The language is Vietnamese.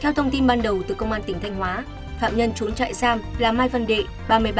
theo thông tin ban đầu từ công an tỉnh thanh hóa phạm nhân trốn trại giam là mai văn đệ